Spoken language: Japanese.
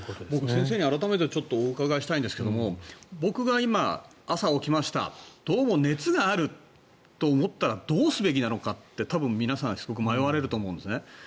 先生に改めてお伺いしたいんですけども僕が今、朝起きましたどうも熱があると思ったらどうすべきなのかって多分、皆さんすごく迷われると思うんですね。